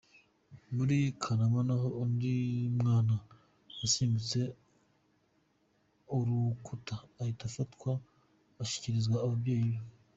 Muri Kanama naho undi mwana yasimbutse urukuta ahita afatwa ashyikirizwa ababyeyi be.